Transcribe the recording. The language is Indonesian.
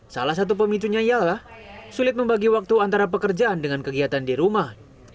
salah satu pemicunya ialah sulit membagi waktu antara pekerjaan dengan kegiatan di rumah